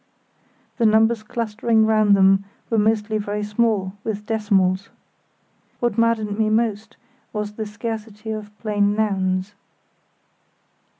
The numbers clustering round them were mostly very small, with decimals. What maddened me most was the scarcity of plain nouns.